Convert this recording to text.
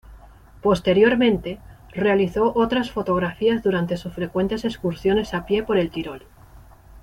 Posteriormente, realizó otras fotografías durante sus frecuentes excursiones a pie por el Tirol.